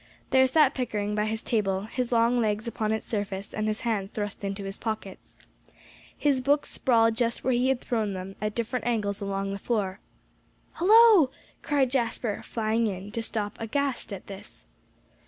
There sat Pickering by his table, his long legs upon its surface, and his hands thrust into his pockets. His books sprawled just where he had thrown them, at different angles along the floor. "Hullo!" cried Jasper, flying in, to stop aghast at this.